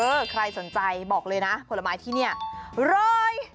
ใครสนใจบอกเลยนะผลไม้ที่นี่ร้อย